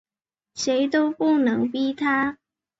谁都不能逼他